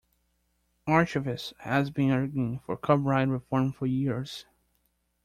Archivists have been arguing for copyright reform for years.